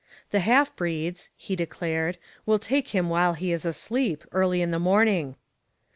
'The half breeds,' he declared, 'will take him while he is asleep, early in the morning.'